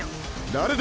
誰だ？